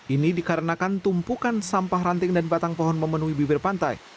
ini dikarenakan tumpukan sampah ranting dan batang pohon memenuhi bibir pantai